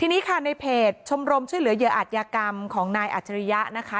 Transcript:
ทีนี้ค่ะในเพจชมรมช่วยเหลือเหยื่ออาจยากรรมของนายอัจฉริยะนะคะ